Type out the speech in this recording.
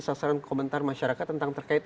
sasaran komentar masyarakat tentang terkait